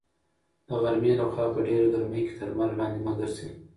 د غرمې لخوا په ډېره ګرمۍ کې تر لمر لاندې مه ګرځئ.